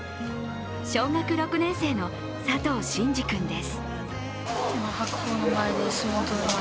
小学６年生の佐藤真士君です。